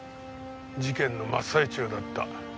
事件の真っ最中だった。